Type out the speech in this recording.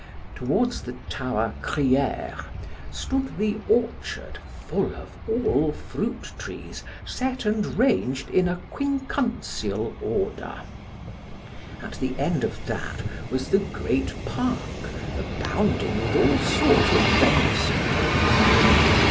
Towards the tower Criere stood the orchard full of all fruit trees, set and ranged in a quincuncial order. At the end of that was the great park, abounding with all sort of venison.